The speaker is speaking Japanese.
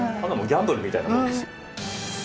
ギャンブルみたいなもんです。